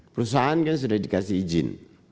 perusahaan kan sudah dikasih izin